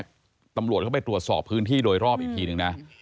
ตำรวจเข้าไปตรวจสอบพื้นที่โดยรอบอีกทีนึงนะ